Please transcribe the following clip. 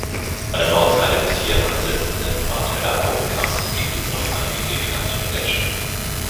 An der Nordseite des hier ansetzenden "Marteller-Hauptkamms" gibt es noch einige kleinere Gletscher.